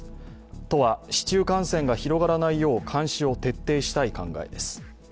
都は市中感染が広がらないよう監視を徹底したい考えです。